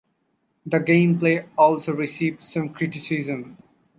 The gameplay also received some criticism.